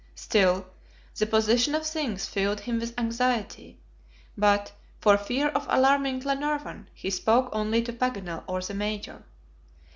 Still, the position of things filled him with anxiety; but, for fear of alarming Glenarvan, he spoke only to Paganel or the Major.